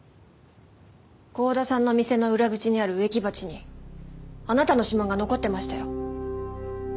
剛田さんの店の裏口にある植木鉢にあなたの指紋が残ってましたよ。